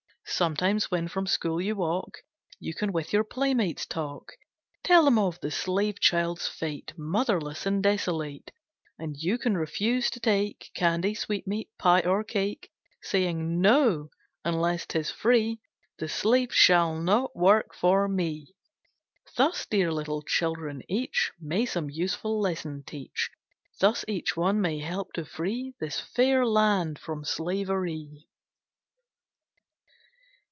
Sometimes, when from school you walk, You can with your playmates talk, Tell them of the slave child's fate, Motherless and desolate. And you can refuse to take Candy, sweetmeat, pie or cake, Saying "no" unless 'tis free "The slave shall not work for me." Thus, dear little children, each May some useful lesson teach; Thus each one may help to free This fair land from slavery.